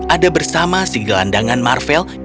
ada bersama segelandangan marvel